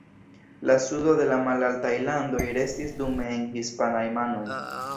La sudo de la Malaltaj Landoj restis dume en hispanaj manoj.